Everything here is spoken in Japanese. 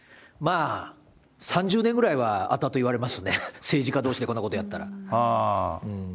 まあ、３０年ぐらいは、後々言われますね、政治家どうしでこんなことやったら。